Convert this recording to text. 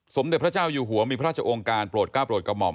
สมเด็จพระเจ้าอยู่หัวมีพระราชองค์การโปรดก้าวโปรดกระหม่อม